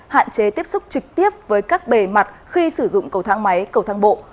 hạn chế tiếp xúc trực tiếp với các bề mặt khi sử dụng cầu thang máy cầu thang bộ